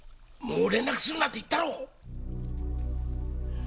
もう連絡するなって言ったろう！